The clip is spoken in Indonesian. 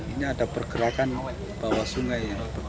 ini ada pergerakan bawah sungai